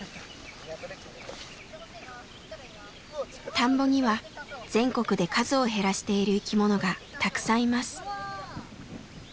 田んぼには全国で数を減らしている生きものがたくさんいます。